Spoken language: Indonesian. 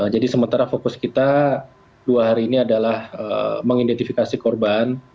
jadi sementara fokus kita dua hari ini adalah mengidentifikasi korban